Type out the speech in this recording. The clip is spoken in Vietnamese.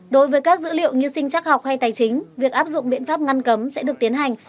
đối với các dữ liệu như sinh chắc học hay tài chính việc áp dụng biện pháp ngăn cấm sẽ được tiến hành